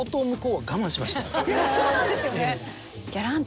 そうなんですよね！